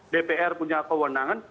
dpr punya kewenangan